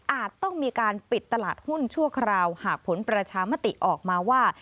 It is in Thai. ต้องมีการปิดตลาดหุ้นชั่วคราวหากผลประชามติออกมาว่า